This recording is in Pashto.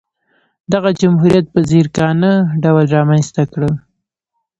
دغه جمهوریت په ځیرکانه ډول رامنځته کړل.